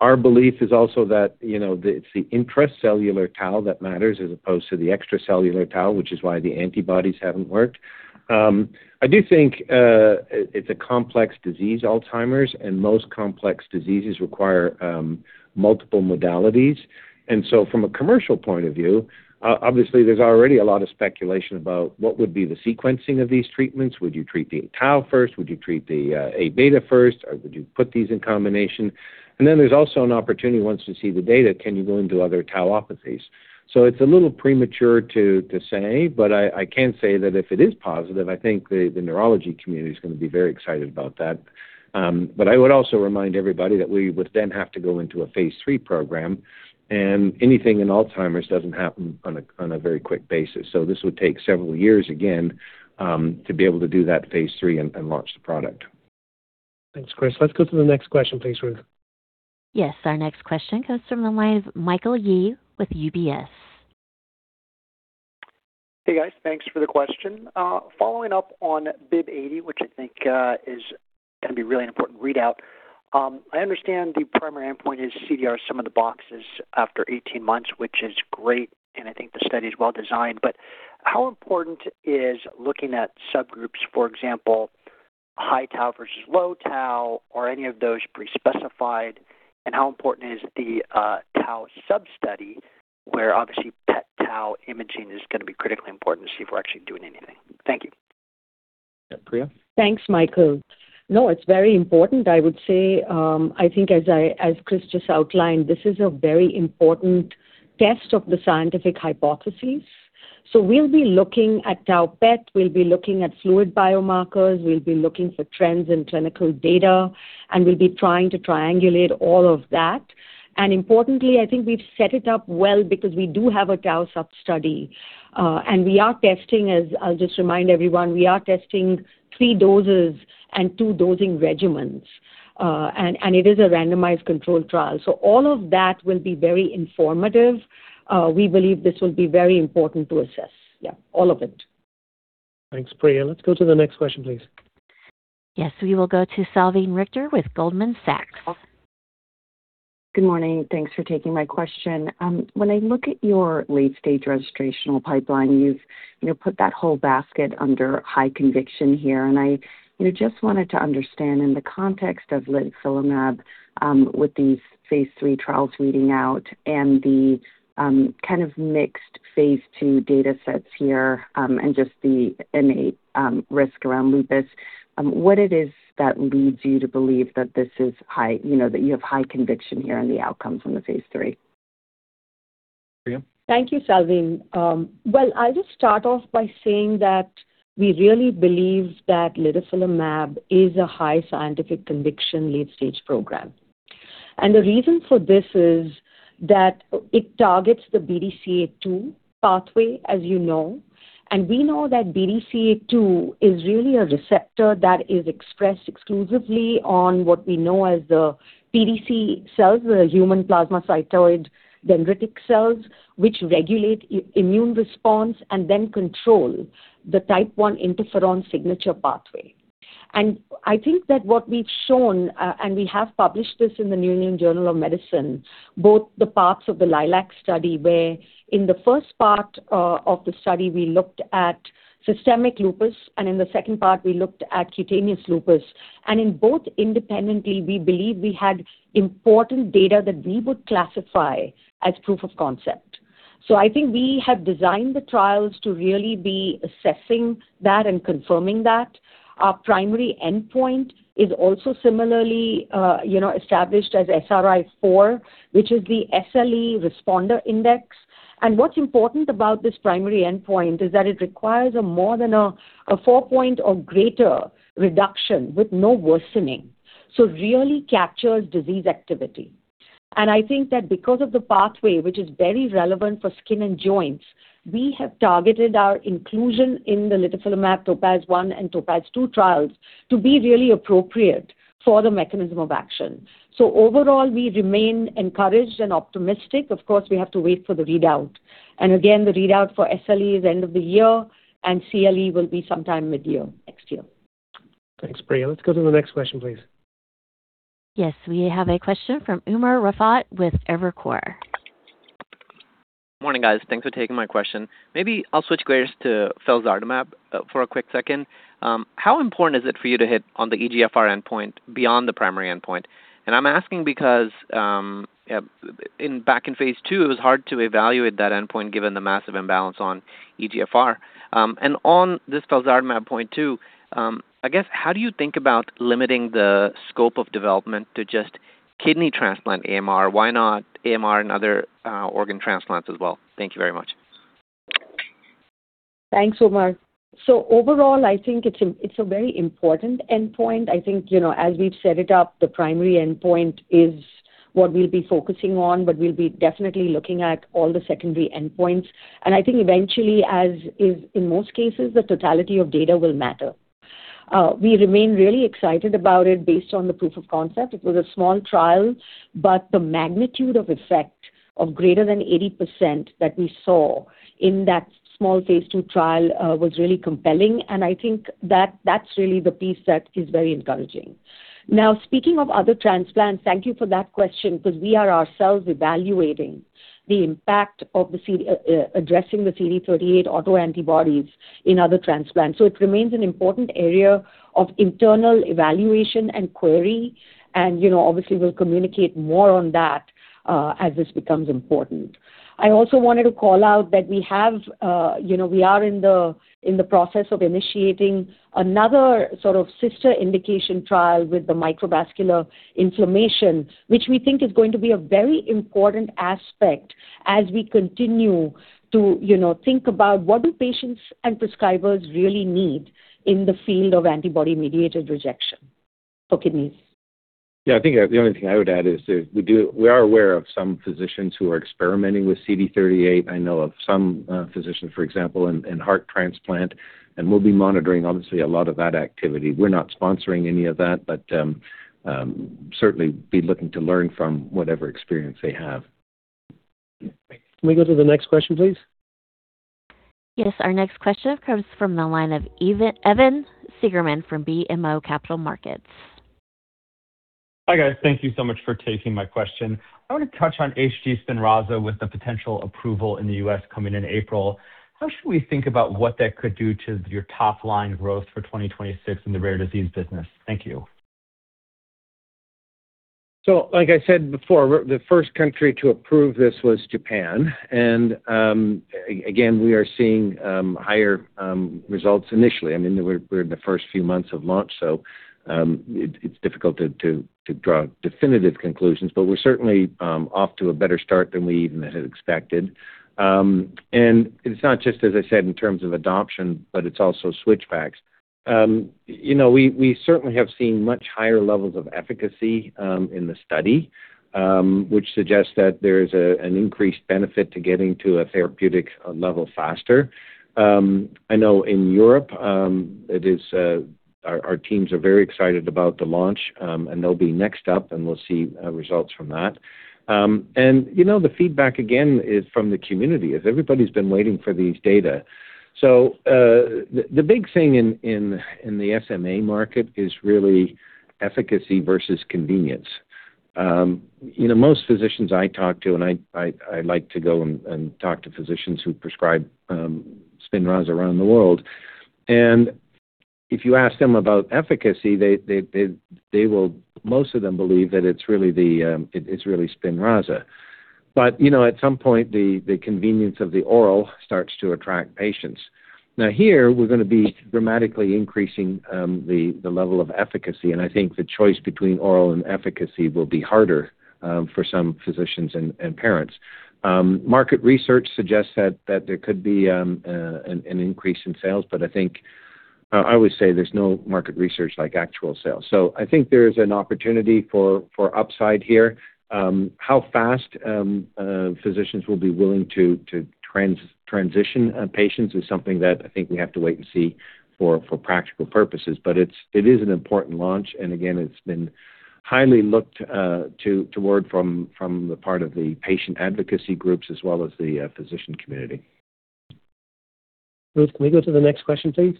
Our belief is also that it's the intracellular tau that matters as opposed to the extracellular tau, which is why the antibodies haven't worked. I do think it's a complex disease, Alzheimer's, and most complex diseases require multiple modalities. And so from a commercial point of view, obviously, there's already a lot of speculation about what would be the sequencing of these treatments. Would you treat the tau first? Would you treat the A beta first? Or would you put these in combination? And then there's also an opportunity once you see the data, can you go into other tauopathies? So it's a little premature to say, but I can say that if it is positive, I think the neurology community is going to be very excited about that. But I would also remind everybody that we would then have to go into a phase III program. And anything in Alzheimer's doesn't happen on a very quick basis. So this would take several years, again, to be able to do that phase III and launch the product. Thanks, Chris. Let's go to the next question, please, Ruth. Yes. Our next question comes from the line of Michael Yee with UBS. Hey, guys. Thanks for the question. Following up on BIIB080, which I think is going to be really an important readout, I understand the primary endpoint is CDR sum of boxes after 18 months, which is great. I think the study is well designed. But how important is looking at subgroups, for example, high tau versus low tau, or any of those pre-specified? And how important is the tau sub-study where, obviously, PET tau imaging is going to be critically important to see if we're actually doing anything? Thank you. Yeah, Priya. Thanks, Michael. No, it's very important, I would say. I think, as Chris just outlined, this is a very important test of the scientific hypotheses. So we'll be looking at tau PET. We'll be looking at fluid biomarkers. We'll be looking for trends in clinical data. And we'll be trying to triangulate all of that. And importantly, I think we've set it up well because we do have a tau sub-study. And we are testing as I'll just remind everyone, we are testing three doses and two dosing regimens. And it is a randomized controlled trial. So all of that will be very informative. We believe this will be very important to assess, yeah, all of it. Thanks, Priya. Let's go to the next question, please. Yes. We will go to Salveen Richter with Goldman Sachs. Good morning. Thanks for taking my question. When I look at your late-stage registrational pipeline, you've put that whole basket under high conviction here. And I just wanted to understand, in the context of litifilimab with these phase III trials weeding out and the kind of mixed phase II datasets here and just the innate risk around lupus, what it is that leads you to believe that this is high that you have high conviction here in the outcomes in the phase III. Priya? Thank you, Salveen. Well, I'll just start off by saying that we really believe that litifilimab is a high scientific conviction late-stage program. The reason for this is that it targets the BDCA2 pathway, as you know. We know that BDCA2 is really a receptor that is expressed exclusively on what we know as the pDC cells, the human plasmacytoid dendritic cells, which regulate immune response and then control the type 1 interferon signature pathway. I think that what we've shown and we have published this in the New England Journal of Medicine, both the parts of the LILAC study where in the first part of the study, we looked at systemic lupus, and in the second part, we looked at cutaneous lupus. In both independently, we believe we had important data that we would classify as proof of concept. So I think we have designed the trials to really be assessing that and confirming that. Our primary endpoint is also similarly established as SRI-4, which is the SLE responder index. And what's important about this primary endpoint is that it requires more than a 4-point or greater reduction with no worsening, so really captures disease activity. And I think that because of the pathway, which is very relevant for skin and joints, we have targeted our inclusion in the litifilimab TOPAZ-1 and TOPAZ-2 trials to be really appropriate for the mechanism of action. So overall, we remain encouraged and optimistic. Of course, we have to wait for the readout. And again, the readout for SLE is end of the year, and CLE will be sometime mid-year next year. Thanks, Priya. Let's go to the next question, please. Yes. We have a question from Umer Raffat with Evercore. Good morning, guys. Thanks for taking my question. Maybe I'll switch gears to felzartamab for a quick second. How important is it for you to hit on the eGFR endpoint beyond the primary endpoint? I'm asking because back in phase II, it was hard to evaluate that endpoint given the massive imbalance on eGFR. On this felzartamab point too, I guess, how do you think about limiting the scope of development to just kidney transplant AMR? Why not AMR and other organ transplants as well? Thank you very much. Thanks, Umer. So overall, I think it's a very important endpoint. I think as we've set it up, the primary endpoint is what we'll be focusing on, but we'll be definitely looking at all the secondary endpoints. And I think eventually, as is in most cases, the totality of data will matter. We remain really excited about it based on the proof of concept. It was a small trial, but the magnitude of effect of greater than 80% that we saw in that small phase II trial was really compelling. And I think that's really the piece that is very encouraging. Now, speaking of other transplants, thank you for that question because we are ourselves evaluating the impact of addressing the CD38 autoantibodies in other transplants. So it remains an important area of internal evaluation and query. And obviously, we'll communicate more on that as this becomes important. I also wanted to call out that we are in the process of initiating another sort of sister indication trial with the microvascular inflammation, which we think is going to be a very important aspect as we continue to think about what do patients and prescribers really need in the field of antibody-mediated rejection for kidneys. Yeah. I think the only thing I would add is we are aware of some physicians who are experimenting with CD38. I know of some physicians, for example, in heart transplant. And we'll be monitoring, obviously, a lot of that activity. We're not sponsoring any of that, but certainly be looking to learn from whatever experience they have. Can we go to the next question, please? Yes. Our next question comes from the line of Evan Seigerman from BMO Capital Markets. Hi, guys. Thank you so much for taking my question. I want to touch on high-dose Spinraza with the potential approval in the U.S. coming in April. How should we think about what that could do to your top-line growth for 2026 in the rare disease business? Thank you. So like I said before, the first country to approve this was Japan. Again, we are seeing higher results initially. I mean, we're in the first few months of launch, so it's difficult to draw definitive conclusions. But we're certainly off to a better start than we even had expected. It's not just, as I said, in terms of adoption, but it's also switchbacks. We certainly have seen much higher levels of efficacy in the study, which suggests that there is an increased benefit to getting to a therapeutic level faster. I know in Europe, our teams are very excited about the launch, and they'll be next up, and we'll see results from that. The feedback, again, is from the community as everybody's been waiting for these data. So the big thing in the SMA market is really efficacy versus convenience. Most physicians I talk to and I like to go and talk to physicians who prescribe Spinraza around the world. If you ask them about efficacy, most of them believe that it's really Spinraza. At some point, the convenience of the oral starts to attract patients. Now, here, we're going to be dramatically increasing the level of efficacy. I think the choice between oral and efficacy will be harder for some physicians and parents. Market research suggests that there could be an increase in sales, but I think I always say there's no market research like actual sales. I think there is an opportunity for upside here. How fast physicians will be willing to transition patients is something that I think we have to wait and see for practical purposes. It is an important launch. And again, it's been highly looked toward from the part of the patient advocacy groups as well as the physician community. Ruth, can we go to the next question, please?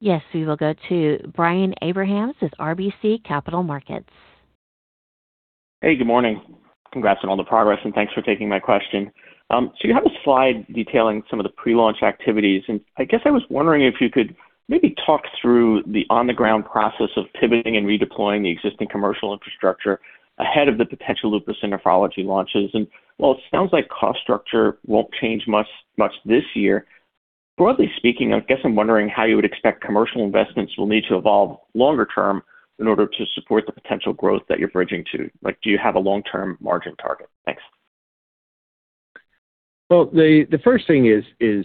Yes. We will go to Brian Abrahams with RBC Capital Markets. Hey. Good morning. Congrats on all the progress, and thanks for taking my question. You have a slide detailing some of the pre-launch activities. I guess I was wondering if you could maybe talk through the on-the-ground process of pivoting and redeploying the existing commercial infrastructure ahead of the potential lupus and nephrology launches. While it sounds like cost structure won't change much this year, broadly speaking, I guess I'm wondering how you would expect commercial investments will need to evolve longer term in order to support the potential growth that you're bridging to. Do you have a long-term margin target? Thanks. Well, the first thing is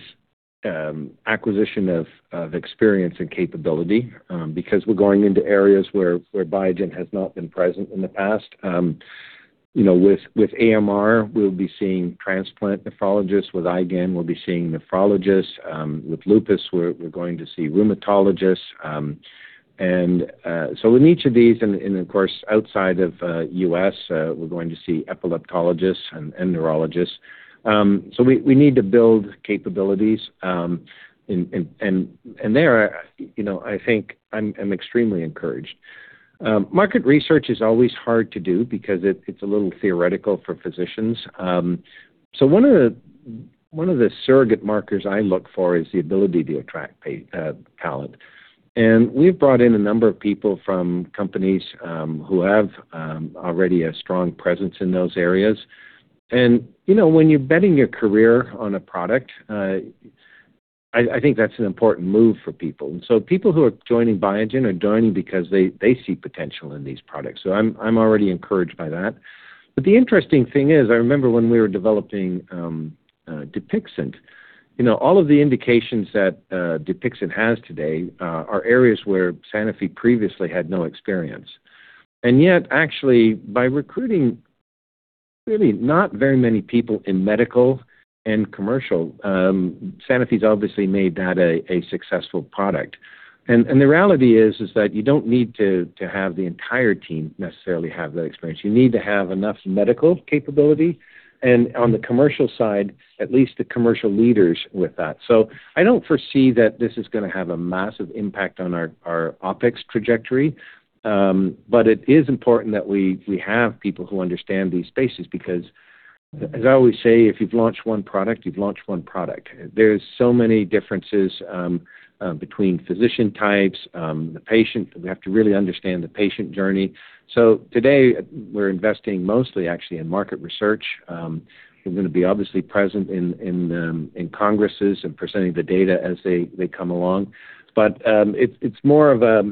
acquisition of experience and capability because we're going into areas where Biogen has not been present in the past. With AMR, we'll be seeing transplant nephrologists. With IgAN, we'll be seeing nephrologists. With lupus, we're going to see rheumatologists. And so in each of these and, of course, outside of U.S., we're going to see epileptologists and neurologists. So we need to build capabilities. And there, I think I'm extremely encouraged. Market research is always hard to do because it's a little theoretical for physicians. So one of the surrogate markers I look for is the ability to attract talent. And we've brought in a number of people from companies who have already a strong presence in those areas. And when you're betting your career on a product, I think that's an important move for people. So people who are joining Biogen are joining because they see potential in these products. I'm already encouraged by that. The interesting thing is I remember when we were developing Dupixent, all of the indications that Dupixent has today are areas where Sanofi previously had no experience. Yet, actually, by recruiting really not very many people in medical and commercial, Sanofi's obviously made that a successful product. The reality is that you don't need to have the entire team necessarily have that experience. You need to have enough medical capability. On the commercial side, at least the commercial leaders with that. I don't foresee that this is going to have a massive impact on our OpEx trajectory. It is important that we have people who understand these spaces because, as I always say, if you've launched one product, you've launched one product. There's so many differences between physician types, the patient. We have to really understand the patient journey. So today, we're investing mostly, actually, in market research. We're going to be obviously present in congresses and presenting the data as they come along. But it's more of a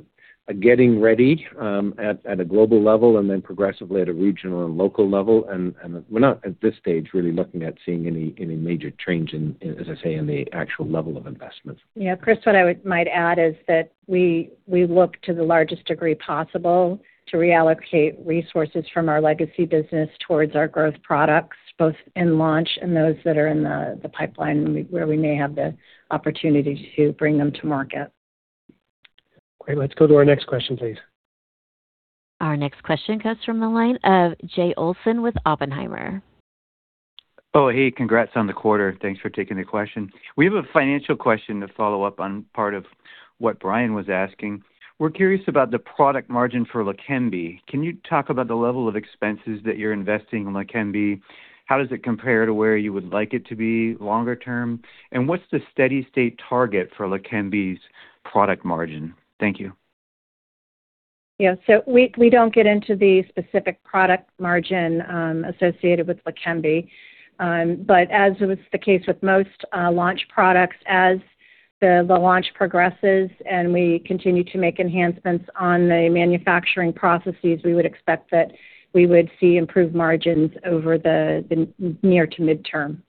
getting ready at a global level and then progressively at a regional and local level. And we're not, at this stage, really looking at seeing any major change, as I say, in the actual level of investment. Yeah. Chris, what I might add is that we look to the largest degree possible to reallocate resources from our legacy business towards our growth products, both in launch and those that are in the pipeline where we may have the opportunity to bring them to market. Great. Let's go to our next question, please. Our next question comes from the line of Jay Olson with Oppenheimer. Oh, hey. Congrats on the quarter. Thanks for taking the question. We have a financial question to follow up on part of what Brian was asking. We're curious about the product margin for Leqembi. Can you talk about the level of expenses that you're investing in Leqembi? How does it compare to where you would like it to be longer term? And what's the steady-state target for Leqembi's product margin? Thank you. Yeah. So we don't get into the specific product margin associated with Leqembi. But as was the case with most launch products, as the launch progresses and we continue to make enhancements on the manufacturing processes, we would expect that we would see improved margins over the near to mid-term.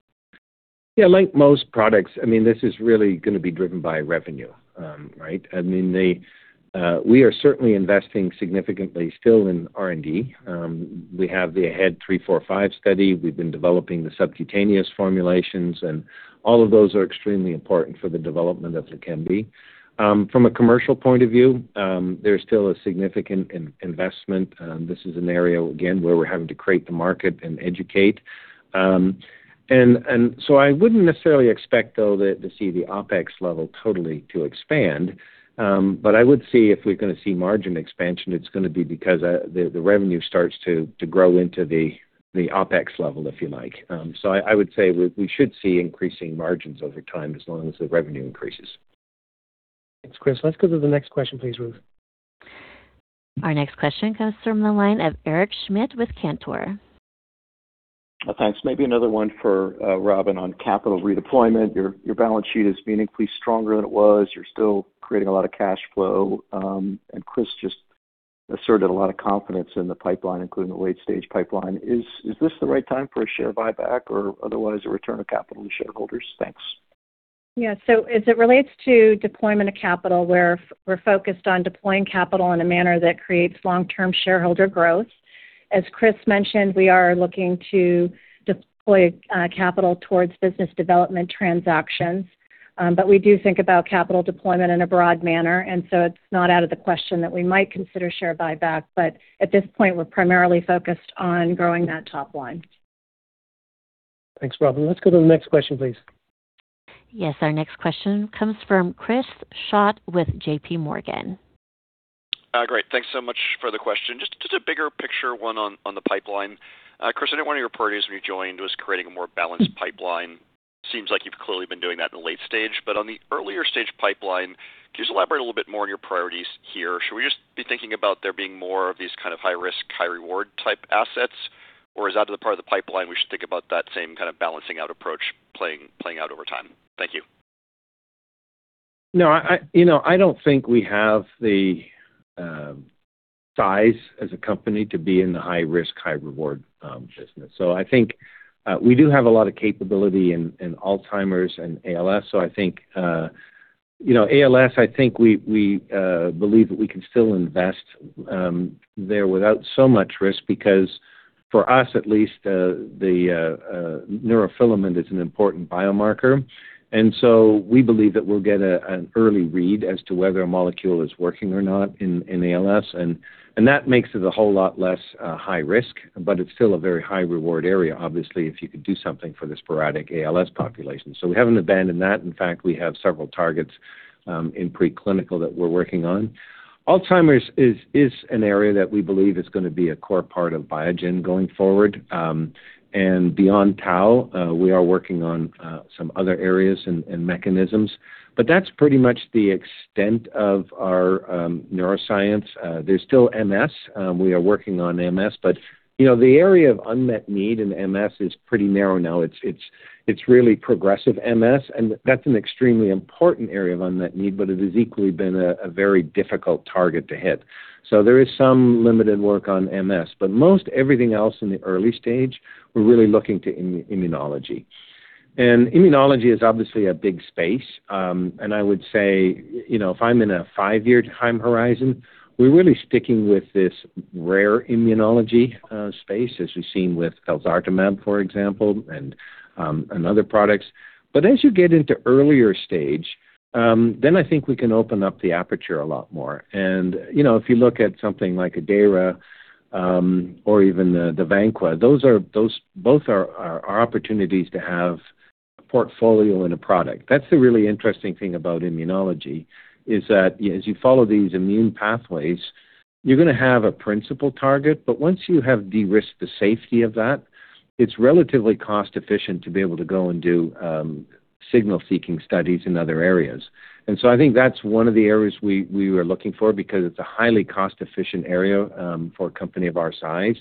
Yeah. Like most products, I mean, this is really going to be driven by revenue, right? I mean, we are certainly investing significantly still in R&D. We have the AHEAD 3-45 study. We've been developing the subcutaneous formulations. And all of those are extremely important for the development of Leqembi. From a commercial point of view, there's still a significant investment. This is an area, again, where we're having to create the market and educate. And so I wouldn't necessarily expect, though, to see the OpEx level totally to expand. But I would see if we're going to see margin expansion, it's going to be because the revenue starts to grow into the OpEx level, if you like. So I would say we should see increasing margins over time as long as the revenue increases. Thanks, Chris. Let's go to the next question, please, Ruth. Our next question comes from the line of Eric Schmidt with Cantor. Thanks. Maybe another one for Robin on capital redeployment. Your balance sheet is meaningfully stronger than it was. You're still creating a lot of cash flow. And Chris just asserted a lot of confidence in the pipeline, including the late-stage pipeline. Is this the right time for a share buyback or otherwise a return of capital to shareholders? Thanks. Yeah. So as it relates to deployment of capital, we're focused on deploying capital in a manner that creates long-term shareholder growth. As Chris mentioned, we are looking to deploy capital towards business development transactions. But we do think about capital deployment in a broad manner. And so it's not out of the question that we might consider share buyback. But at this point, we're primarily focused on growing that top line. Thanks, Robin. Let's go to the next question, please. Yes. Our next question comes from Chris Schott with JPMorgan. Great. Thanks so much for the question. Just a bigger picture one on the pipeline. Chris, I know one of your priorities when you joined was creating a more balanced pipeline. Seems like you've clearly been doing that in the late stage. But on the earlier stage pipeline, could you just elaborate a little bit more on your priorities here? Should we just be thinking about there being more of these kind of high-risk, high-reward type assets? Or is that the part of the pipeline we should think about that same kind of balancing out approach playing out over time? Thank you. No. I don't think we have the size as a company to be in the high-risk, high-reward business. So I think we do have a lot of capability in Alzheimer's and ALS. So I think ALS, I think we believe that we can still invest there without so much risk because, for us at least, the neurofilament is an important biomarker. And so we believe that we'll get an early read as to whether a molecule is working or not in ALS. And that makes it a whole lot less high-risk. But it's still a very high-reward area, obviously, if you could do something for the sporadic ALS population. So we haven't abandoned that. In fact, we have several targets in preclinical that we're working on. Alzheimer's is an area that we believe is going to be a core part of Biogen going forward. Beyond tau, we are working on some other areas and mechanisms. That's pretty much the extent of our neuroscience. There's still MS. We are working on MS. The area of unmet need in MS is pretty narrow now. It's really progressive MS. That's an extremely important area of unmet need. It has equally been a very difficult target to hit. There is some limited work on MS. Most everything else in the early stage, we're really looking to immunology. Immunology is obviously a big space. I would say if I'm in a five-year time horizon, we're really sticking with this rare immunology space as we've seen with felzartamab, for example, and another products. As you get into earlier stage, then I think we can open up the aperture a lot more. If you look at something like Dayra or even the Vanqua, both are opportunities to have a portfolio in a product. That's the really interesting thing about immunology is that as you follow these immune pathways, you're going to have a principal target. But once you have de-risked the safety of that, it's relatively cost-efficient to be able to go and do signal-seeking studies in other areas. And so I think that's one of the areas we are looking for because it's a highly cost-efficient area for a company of our size.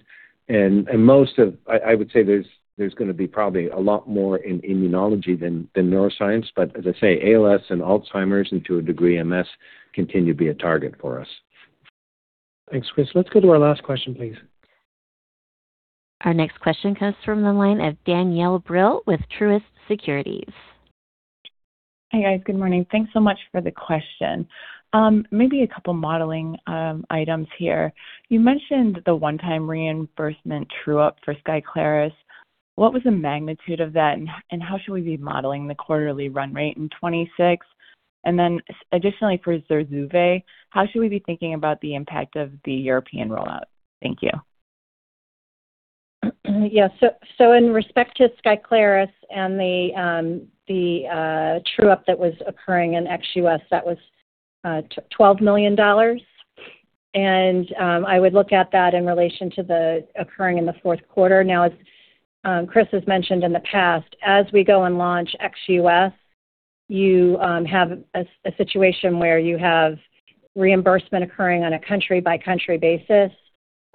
And I would say there's going to be probably a lot more in immunology than neuroscience. But as I say, ALS and Alzheimer's and, to a degree, MS continue to be a target for us. Thanks, Chris. Let's go to our last question, please. Our next question comes from the line of Danielle Brill with Truist Securities. Hey, guys. Good morning. Thanks so much for the question. Maybe a couple of modeling items here. You mentioned the one-time reimbursement true-up for Skyclarys. What was the magnitude of that? And how should we be modeling the quarterly run rate in 2026? And then additionally for Zurzuvae, how should we be thinking about the impact of the European rollout? Thank you. Yeah. So in respect to Skyclarys and the true-up that was occurring in ex-U.S., that was $12 million. And I would look at that in relation to the occurring in the fourth quarter. Now, as Chris has mentioned in the past, as we go and launch ex-U.S., you have a situation where you have reimbursement occurring on a country-by-country basis.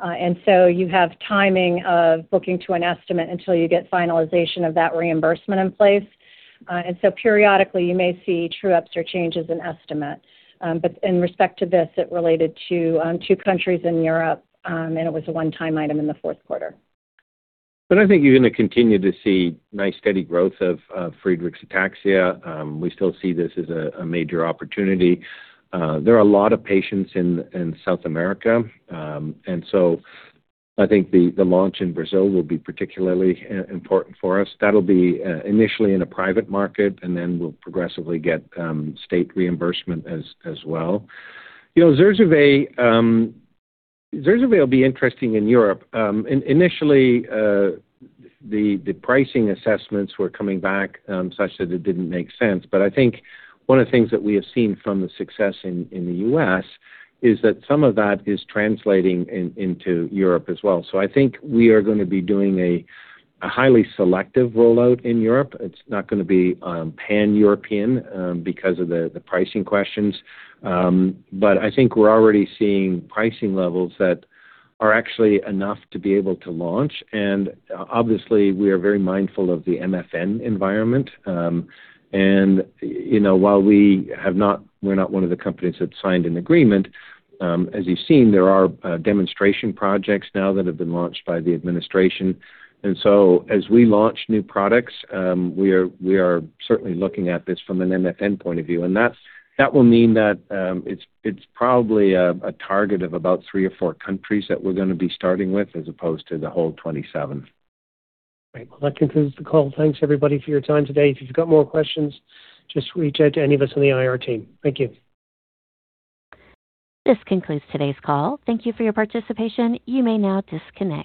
And so you have timing of looking to an estimate until you get finalization of that reimbursement in place. And so periodically, you may see true-ups or changes in estimate. But in respect to this, it related to two countries in Europe. And it was a one-time item in the fourth quarter. But I think you're going to continue to see nice, steady growth of Friedreich's Ataxia. We still see this as a major opportunity. There are a lot of patients in South America. And so I think the launch in Brazil will be particularly important for us. That'll be initially in a private market. And then we'll progressively get state reimbursement as well. Zurzuvae will be interesting in Europe. Initially, the pricing assessments were coming back such that it didn't make sense. But I think one of the things that we have seen from the success in the U.S. is that some of that is translating into Europe as well. So I think we are going to be doing a highly selective rollout in Europe. It's not going to be pan-European because of the pricing questions. I think we're already seeing pricing levels that are actually enough to be able to launch. Obviously, we are very mindful of the MFN environment. While we're not one of the companies that signed an agreement, as you've seen, there are demonstration projects now that have been launched by the administration. As we launch new products, we are certainly looking at this from an MFN point of view. That will mean that it's probably a target of about three or four countries that we're going to be starting with as opposed to the whole 2027. Great. Well, that concludes the call. Thanks, everybody, for your time today. If you've got more questions, just reach out to any of us in the IR team. Thank you. This concludes today's call. Thank you for your participation. You may now disconnect.